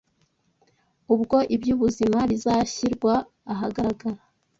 ubwo iby’ubuzima bizashyirwa ahagaragara